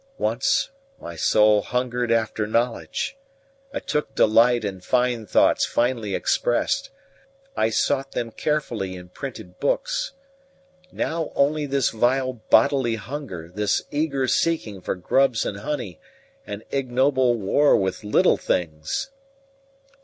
Once my soul hungered after knowledge; I took delight in fine thoughts finely expressed; I sought them carefully in printed books: now only this vile bodily hunger, this eager seeking for grubs and honey, and ignoble war with little things!